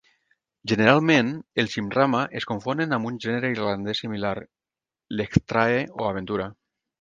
Generalment, els "immrama" es confonen amb un gènere irlandès similar, l'"echtrae" o "aventura".